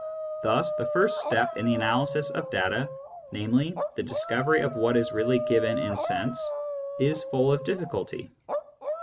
Thus the first step in the analysis of data, namely, the discovery of what is really given in sense, is full of difficulty.